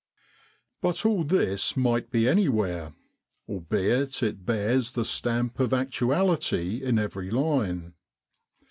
But all this might be anywhere, albeit it bears the stamp of actuality in every line.